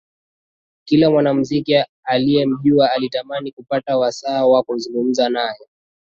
Kila mwanamuziki aliyemjua alitamani kupata wasaa wa kuzungumza naye